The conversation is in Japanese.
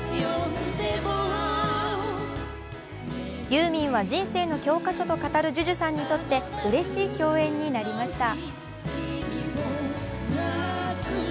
ユーミンは人生の教科書と語るＪＵＪＵさんにとってうれしい共演になりました。